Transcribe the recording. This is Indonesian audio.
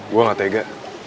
gue gak tega